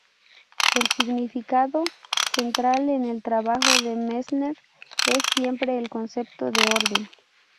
El significado central en el trabajo de Messner es siempre el concepto de orden.